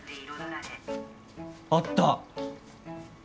あった！